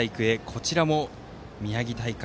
こちらも宮城大会